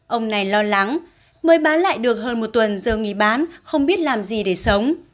ông này lo lắng mới bán lại được hơn một tuần giờ nghỉ bán không biết làm gì để sống